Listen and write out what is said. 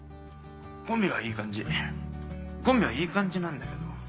コンビはいい感じコンビはいい感じなんだけど。